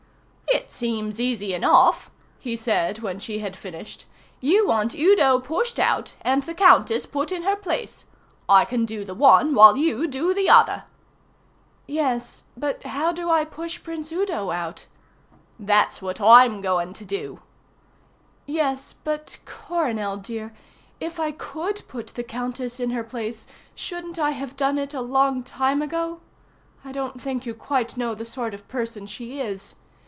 "It seems easy enough," he said when she had finished. "You want Udo pushed out and the Countess put in her place. I can do the one while you do the other." "Yes, but how do I push Prince Udo out?" "That's what I'm going to do." "Yes, but, Coronel dear, if I could put the Countess in her place, shouldn't I have done it a long time ago? I don't think you quite know the sort of person she is.